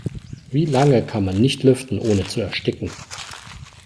Wie lange kann man nicht lüften, ohne zu ersticken?